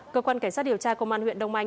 cơ quan cảnh sát điều tra công an huyện đông anh